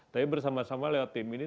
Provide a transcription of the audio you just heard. tapi bersama sama lewat tim ini